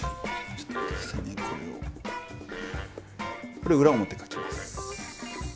これ裏表かきます。